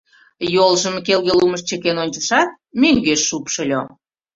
Йолжым келге лумыш чыкен ончышат, мӧҥгеш шупшыльо.